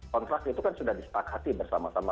kontrak itu kan sudah disetak hati bersama sama